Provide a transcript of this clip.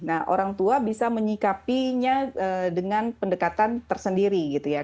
nah orang tua bisa menyikapinya dengan pendekatan tersendiri gitu ya